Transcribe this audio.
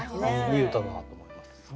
いい歌だなと思います。